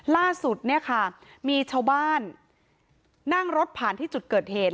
ล่าสุดเนี่ยค่ะมีชาวบ้านนั่งรถผ่านที่จุดเกิดเหตุ